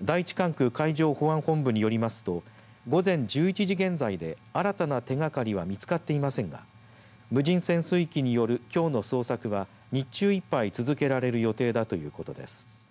第１管区海上保安本部によりますと午前１１時現在で新たな手がかりは見つかっていませんが無人潜水機によるきょうの捜索は日中いっぱい続けられる予定だということです。